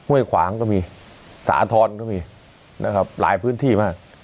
เว้ยขวางก็มีสาทรตรก็มีหลายพื้นที่มาก